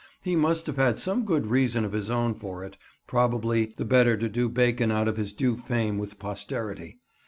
He must have had some good reason of his own for it; probably the better to do Bacon out of his due fame with posterity.